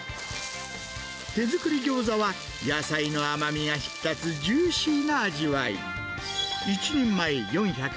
手作りギョーザは、野菜の甘みが引き立つジューシーな味わい。